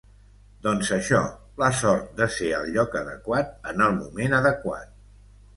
Doncs això, la sort de ser al lloc adequat en el moment adequat.